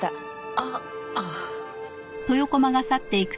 あっああ。